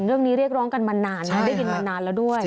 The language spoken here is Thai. เรื่องนี้เรียกร้องกันมานานได้ยินมานานแล้วด้วย